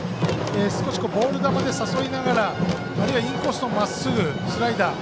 少しボール球で誘いながらあるいはインコースのまっすぐ、スライダー。